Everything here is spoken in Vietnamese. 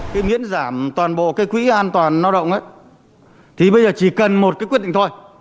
cái miễn giảm toàn bộ cái quỹ an toàn lao động ấy thì bây giờ chỉ cần một cái quyết định thôi